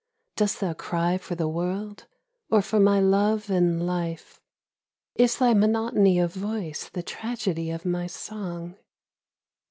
Dost thon cry for the world, or for my love and life ? Is thy monotony of voice the tragedy of my song